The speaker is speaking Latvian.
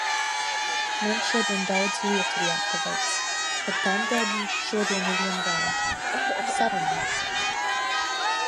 Man šodien daudz lietu ir jāpaveic. Par pandēmiju šodien neviena vārda. Sarunāts!